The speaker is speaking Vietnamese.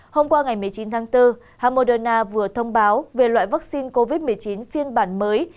hôm qua ngày một mươi chín tháng bốn ham moderna vừa thông báo về loại vaccine covid một mươi chín phiên bản mới